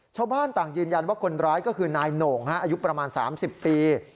ชาวบ้านต่างยืนยันว่าคนร้ายก็คือนายโหน่งอายุประมาณ๓๐ปี